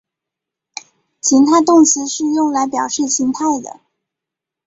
情态动词是用来表示情态的。